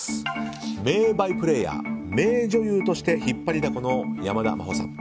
名バイプレーヤー、名女優として引っ張りだこの山田真歩さん。